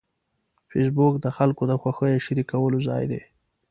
فېسبوک د خلکو د خوښیو شریکولو ځای دی